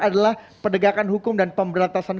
adalah penegakan hukum dan pemberantasan